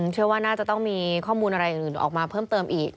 เชื่อว่าน่าจะต้องมีข้อมูลอะไรอื่นออกมาเพิ่มเติมอีก